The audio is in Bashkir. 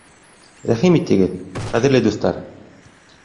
Рәхим итегеҙ, ҡәҙерле дуҫтар!